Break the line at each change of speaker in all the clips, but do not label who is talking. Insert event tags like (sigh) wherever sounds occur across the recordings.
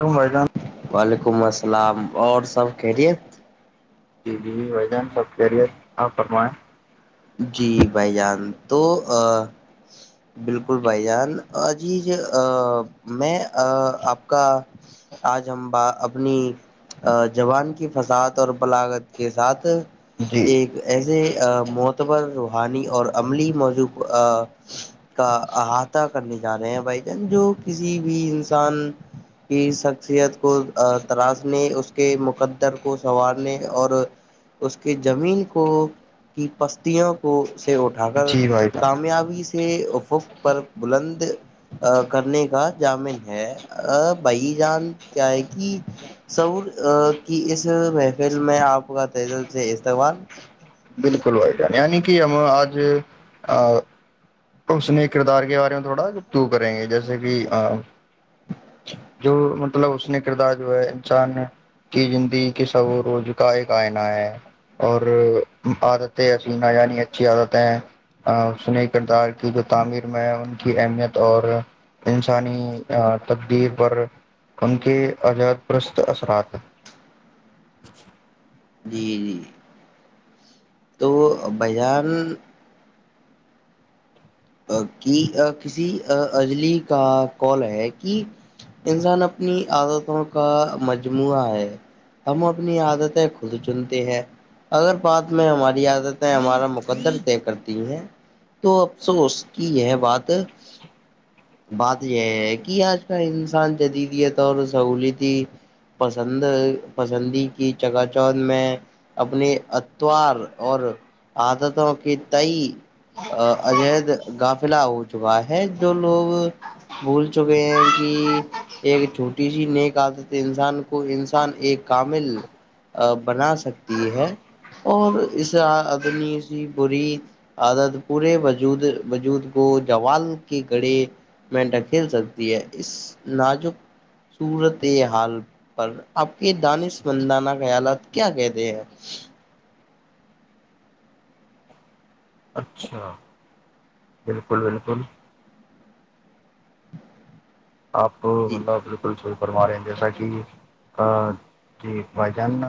دائی گان
وعلیکم السلام اور سب کہہ رہیے
جی جی وھ جان سب کییریتپ فرمائیں
جی بھائی جان تو بالکل بھائی جانجی میں آپ کا آج ہم اپنی ا جوان کی فسعاد اور بلاغت کے ساتھ ایک ایسے معتبر روحانی اور عملی موضوع کا احاطہ کرنے جا رہے ہیں بھائی جان جو کسی بھی انسان کی شخصیت کو تراشنے اس کے مقدر کو سنوارنے اور اس کے زمین کو کی کو سے اٹھا کر
جی بھائی جان
کامیابی سے افق پر بلند کرنے کا جامن ہے بھائی جان کیا ہے کہ سعور کی اس محفل میں آپ کا تل سے استعمال
بالکل و جان یعنی کہ ہم آج اس نے کردار کے بارے میں تھوڑا تو کریں گے جیسے کہ جو مطلب اس نے کردار جو ہے انسان کی زندی کہ سب روز کا ہے کائ ہے اور عادتیں حسینا یعنی اچھی عادتیں ہیں سنی کرتار کی جو تعمیر میں ہے ان کی اہمیت اور انسانی تبدیر پر ہم کے عجاد گرست اثرات ہیں
جی جی تو بائیجان کہ کسی اجلی کا کال ہے کہ انسان اپنی عادتوں کا مجموعہ ہے ہم اپنی عادتیں خود چنتے ہیں اگر بات میں ہماری عادتیں ہمارا مقدر طے کرتی ہیں تو افسوس کی یہ بات بات یہ ہے کہ آج کل انسان جدیدی طور سہلیتی پسند پسندی کی چگا چوت میں اپنی اتوار اور عادتوں کے تئی عجید گافلہ ہو چکا ہے جو لوگ بھول چکے ہیں کہ ایک چھوٹی سی نیک آادت انسان کو انسان ایک کامل بنا سکتی ہے اور اسےدنی سی بری عادت پورے بج ود وجود کو جوال کے گڑے منٹ کھیل سکتی ہے اس نجک سورت یہ حال پر آپ کے دانش مندانہ خیالات کیا کہتے ہیں
اچھا بالکل بالکل آپ
جی
کلسول کرما رہے ہیں جیسا کہ جی بھائی جان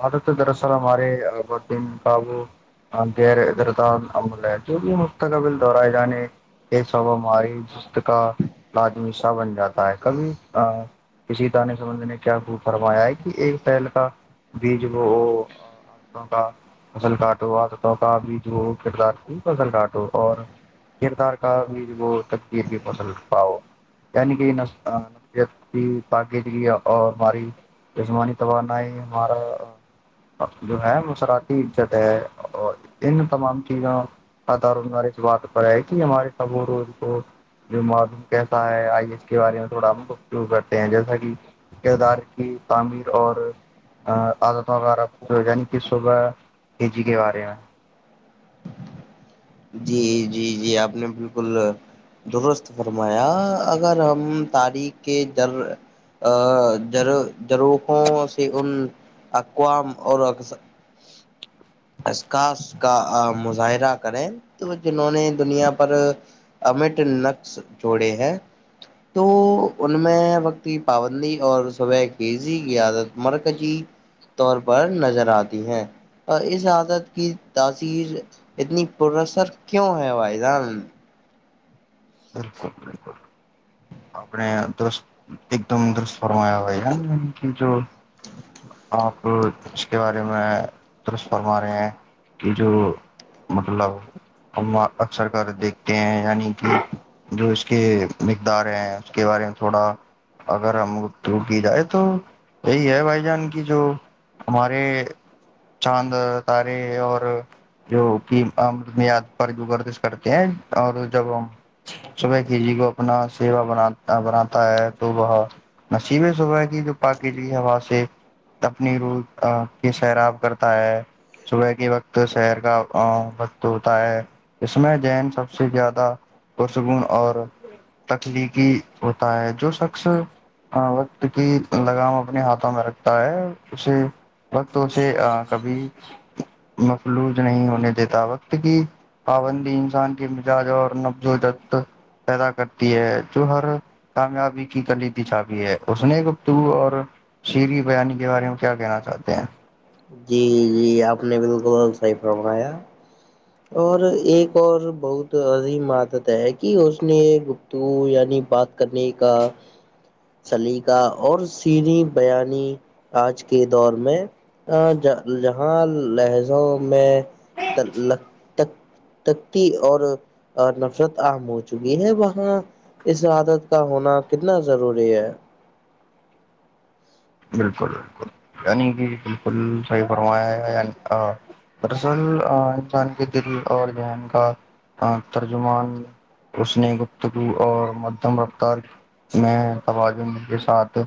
عادت ہے دراصل ہمارے بابو ہاں غیر ادردمل ہے جو بھی مستقبل دہرائے جانے یہ سب ہماری جس کا لازمیشہ بن جاتا ہے کبھی کسی دانے سمند نے کیا خ فرمایا ہے کہ ایک فیل کا بیج وہ وہ کا فصل کاٹو عادتوں کا بھی جو کردار کی فصل کاٹو اور کردار کا بھی وہ تقدیر بھی پسند پا ہو یعنی کہ نتی پگیدی اور ہماری عجمانی توان ہے ہمارا جو ہے وہ صراعتیی عزت ہے اور ان تمام چیزوں سدارارے اس بات پر ہے کہ ہمارے سب روز کو جو معلوم کیسا ہے آئی ایس کے بارے میں تھوڑا ہم گو کرتے ہیں جیسا کہ کردار کی تعمیر اور عادت وغیرہ کچھ عنی صبح کے جی کے بارے میں
جی جی جی آپ نے بالکل درست فرمایا اگر ہم تاریخ کے در ار جروخوں سے ان اقوام اور عخاص کا مظاہرہ کریں تو جنہوں نے دنیا پر امٹ نقش جوڑے ہیں تو ان میں وقت کی پابندی اور صبح کیزی کییادت مرکجی طور پر نظر آتی ہیں اور اس عادت کی تاثیر اتنی پرسر کیوں ہے بھائی جان
بالکل بالکل اپنے دست ایک دم دست فرمیا جو آپ اس کے بارے میں درست فرما رہے ہیں کہ جو مطلب ہم اکثر کر دیکھتے ہیں یعنی کہ جو اس کے مقدار ہیں اس کے بارے میں تھوڑا اگر ہمترو کی جائے تو یہی ہے بھائی جان کی جو ہمارے چاند تارے اور جو کہ امرتنیاد پر جو گردش کرتے ہیں اور جب ہم صبح کی جی کو اپنا سیوا بات بناتا ہے تو وہ نصیبیں صبح کی جو پاکیجی ہوا سے اپنی رو کی سیراب کرتا ہے صبح کی وقت شہر کا وقت ہوتا ہے اس میں جین سب سے زیادہ پرسکون اور تخلیقی ہوتا ہے جو شخص ہاں وقت کی لگام اپنے ہاتھوں میں رکھتا ہے اسے وقت اس سے کبھی مفلوج نہیں ہونے دیتا وقت کی پابندی انسان کے مزاج اور نفز و جت پیدا کرتی ہے جو ہر کامیابی کی کر لی تھی چابی ہے اس نے گپتو اور شریری بانی کے بارے میں کیا کہنا چاہتے ہیں
جی جی آپ نے بالکل صحیح فرمایا اور ایک اور بہت عظیم عادت ہے کہ اس نے تو یعنی بات کرنے کا سلیقہ اور سری بیانی آج کے دور میں آج جہاں لہجو میں تختی اور نفرت عام ہو چکی ہے وہاں اس عادت کا ہونا کتنا ضروری ہے
بالکل بالکل یع ج بالکل صحیح فرمایا گیا دراصل انسان کے دل اور ذہن کا ترجمان اس نے گپتگو اور مدھم رفتار میں تواز کے ساتھ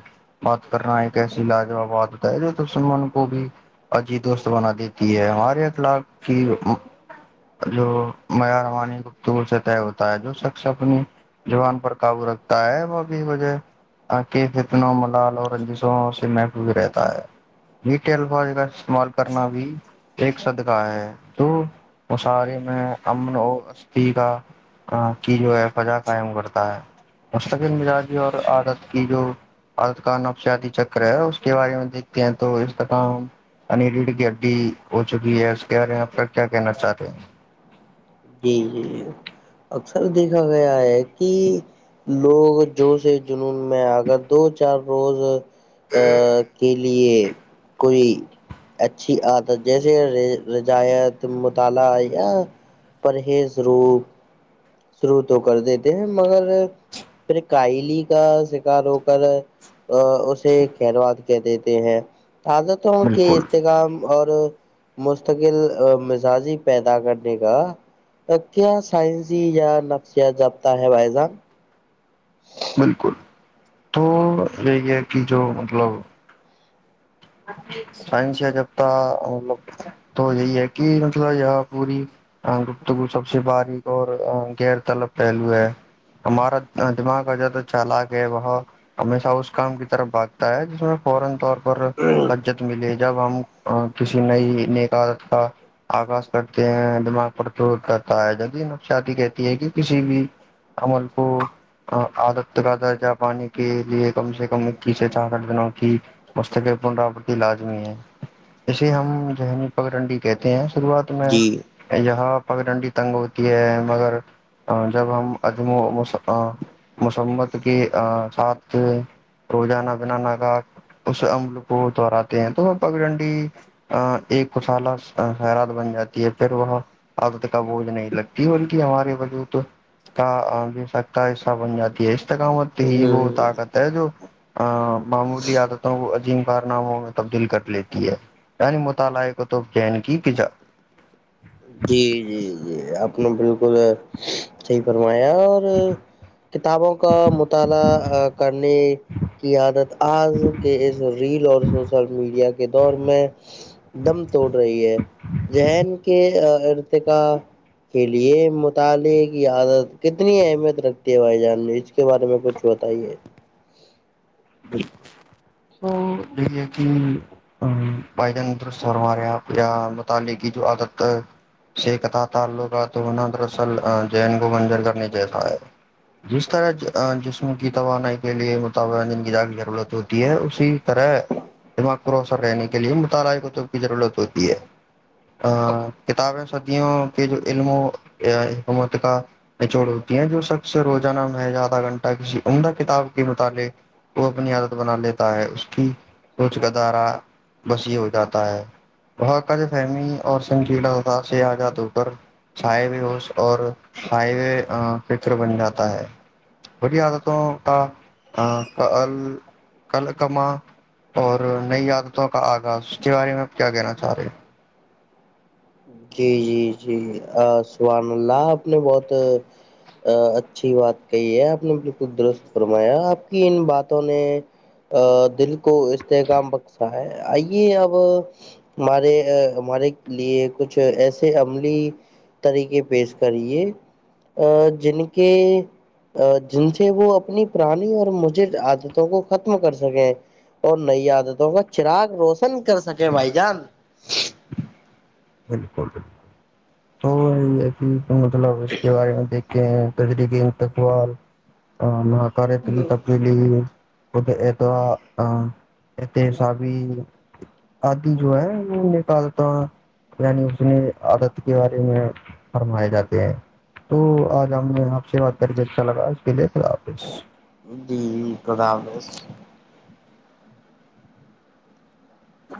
بات کرنا ایک کیسی لاجاباد ہوتا ہے جو تو سلمان کو بھی عجی دوست بنا دیتی ہے ہمارے اخلاق کی جو میا رمانی گپتور سے طے ہوتا ہے جو شخص اپنی جوان پر قابو رکھتا ہے وہ ابھی وجہ کے فتن ملال اور رنجیت سے مٹو بھی رہتا ہے نیٹے الفاظ کا استعمال کرنا بھی ایک صدقہ ہے تو مشعارے میں امن اور اسستھی کا کہ کی جو ہے فجا قائم کرتا ہے مستقل مزاجی اور عادت کی جو عادت کا نبسدی چکر ہے اس کے بارے میں دیکھتے ہیں تو اس کا کام ا گڈی ہو چ گی ہے کیا رہ ہیں آپ کا کیا کہنا چاہ رہے ہیں
جی جیی اکثر دیکھا گیا ہے کہ لوگ جو سے جنون میں اگر دو چار روز ا کے لیے کوئی اچھی عادت جیسے رجایت مطالعہ یا پرہیز روپ شروع تو کر دیتے ہیں مگر پھر کائلی کا شکار ہو کر اسے کرواد کہ دیتے ہیں حاز کہ
بالکل
استغام اور مستقل مزاجی پیدا کرنے کا کیا سائنس یا نفسیات جبتا ہے بجن
بالکل تو یہی ہے کہ جو مطلب سائنس یا جب ت مطلب تو یہی ہے کہ مسئلہ یہ پوری گفتگو سب سے باریک اور غیر طلب پہلو ہے ہمارا دماغ اج تو چال کہ ہے وہت ہمیشہ اس کام کی طرف بھگتا ہے جس میں فورا طور پر لجت ملے جب ہم کسی نہیں نکال تھا آغاز کرتے ہیں دماغ پر د رہتا ہے جد نقساتی کہتی ہے کہ کسی بھی امل پور عادت ت درجہ پانے کے لیے کم سے کم اکیس سے چارٹھ دنوں کی مسے (unintelligible) پنراوتی لازمی ہے اسے ہم جونی پگنڈی کہتے ہیں شروعات میں
جی
یہاں پگ ڈنڈی تنگ ہوتی ہے مگر جب ہم ادمو سفا مسمت کے ساتھ روزانہ بنانا کا اس عمل وہ توہراتے ہیں تو پگ ڈنڈی ایک خسالہ خیرات بن جاتی ہے پھر وہ اب تک کا بوجھ نہیں لگتی بک ہمارے بجو تو کا بھی سک کا حصہ بن جاتی ہے استقامت ہی
ہ
وہ طاقت ہے جو معمولی عادتوں کو عجی کارناموں میں تبدیل کر لیتی ہے یعنی مطالعہ کو تو جین کی
جی جی جی اپپ نے بالکل صحیح فرمایا اور کتابوں کا مطالعہ کرنے کی عادت آج کے اس ریل اور سوشل میڈیا کے دور میں دم توڑ رہی ہے جہن کے ارت کا کے لیے مطالعے کی عادت کتنی اہمیت رکھتی ہے بھائی جان کے بارے میں کچھ بتائیے
بکل تو یہ ہے کہ ہ بھائی جانرست ہمارے یہاںپ متالعے کی جو عادت ہے س کہتاا تھا اللو کا تونا دراصل جین کو منجر کرنے جیسا ہے جس طرح جسم کی توانائی کے لیے م ضرورت ہوتی ہے اسی طرح دماغ پروسر رہنے کے لیے مطالعہ کطور کی ضرورت ہوتی ہے ا کتابیں صدیوں کے جو علم ہو حکومت کا نچوڑ ہوتی ہیں جو شخص سے روزانہ میں آدھا گھنٹہ کسی عمدہ کتاب کے متعلق وہ اپنی عادت بنا لیتا ہے اس کی روچ کا دارا بسی ہو جاتا ہے بق فہمی اور سنگیلادار سے آزاد ہو کر سائے بھی ہوش اور سائے بھی فکر بن جاتا ہے وٹیا آ تھا ہے تو کا کل کما اور نئی عادتوں کا آغاز اس کے بارے میں آپ کیا کہنا چاہ رہے ہیں
جی جی جی سبان اللہ آپ نے بہت ا اچھی بات کہی ہے آپ نے بالکل درست فرمایا آپ کی ان باتوں نے ا دل کو استحغام بخشا ہے آئیے اب ہمارے ہمارے لیے کچھ ایسے عملی طریقے پیش کریے ا جن کے جن سے وہ اپنی پرانی اور مجٹ عادتوں کو ختم کر سکیں اور نئی عادتوں کا چراغ روشن کر سکے بھائی جان
بالکل بک تو یہ ہے کہ مطلب اس کے بارے میں دیکھ ترییکی انتقال مہاکارت کی تبدیلی ادھر تو ات سا بھی آدھی جو ہے نکالتا یعنی اس میں عادت کے بارے میں فرمائے جاتے ہیں تو آج آؤ آپ سے بات کر کے اچھا لگا اس کے لیے خ حافظ
جی کردابس
ہ